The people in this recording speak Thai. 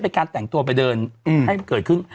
ไปแต่งตัวไปเดินให้เกิดคืน